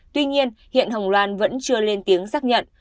tuy nhiên hiện hồng loan vẫn chưa lên tiếng xác nhận